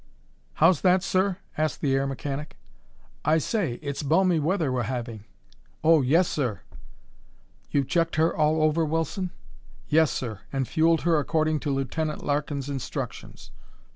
"How's that, sir?" asked the air mechanic. "I say, it's balmy weather we're having." "Oh! Yes, sir." "You've checked her all over, Wilson?" "Yes, sir. And fueled her according to Lieutenant Larkin's instructions."